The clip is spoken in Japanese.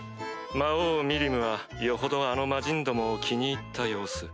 魔王ミリムはよほどあの魔人どもを気に入った様子。